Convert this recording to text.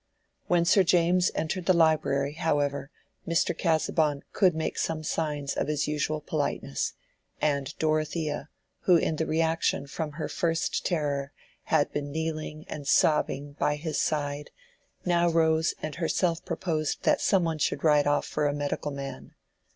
When Sir James entered the library, however, Mr. Casaubon could make some signs of his usual politeness, and Dorothea, who in the reaction from her first terror had been kneeling and sobbing by his side now rose and herself proposed that some one should ride off for a medical man.